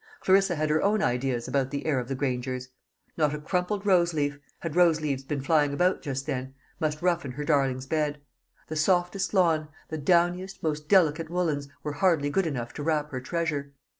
Clarissa had her own ideas about the heir of the Grangers. Not a crumpled rose leaf had rose leaves been flying about just then must roughen her darling's bed. The softest lawn, the downiest, most delicate woollens, were hardly good enough to wrap her treasure.